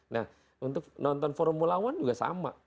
nah untuk nonton formula one juga sama